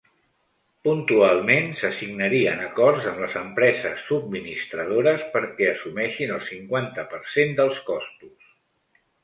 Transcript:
Puntualment, se signarien acords amb les empreses subministradores perquè assumeixin el cinquanta per cent dels costos.